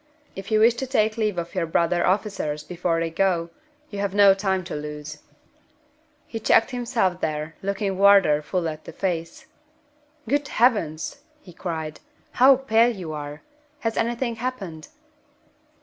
If you wish to take leave of your brother officers before they go, you have no time to lose." He checked himself there, looking Wardour full in the face. "Good Heavens!" he cried, "how pale you are! Has anything happened?"